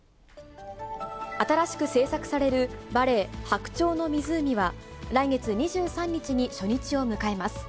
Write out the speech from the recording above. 新しく制作される、バレエ白鳥の湖は、来月２３日に初日を迎えます。